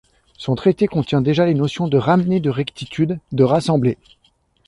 Son traité contient déjà les notions de ramener de rectitude, de rassembler.